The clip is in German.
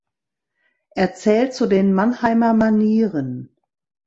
Er zählt zu den Mannheimer Manieren.